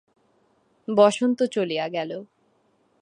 বসন্ত চলিয়া গেল।